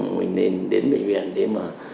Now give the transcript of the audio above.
mình nên đến bệnh viện để mà